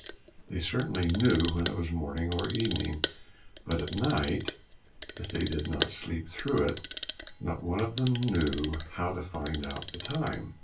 They certainly knew when it was morning or evening, but at night, if they did not sleep through it, not one of them knew how to find out the time.